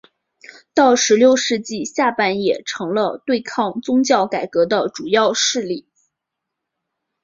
到十六世纪下半叶成了对抗宗教改革的主要势力。